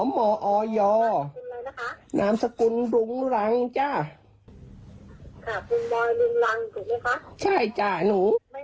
ไม่มีไม่เข้ามูลกับชื่อคุณไยค่ะ